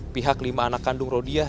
pihak lima anak kandung rodiah